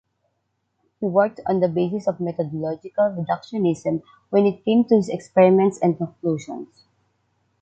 He worked on the basis of methodological reductionism when it came to his experiments and conclusions.